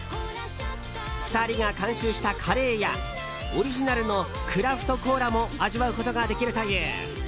２人が監修したカレーやオリジナルのクラフトコーラも味わうことができるという。